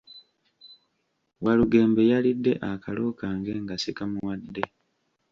Walugembe yalidde akalo kange nga sikamuwadde.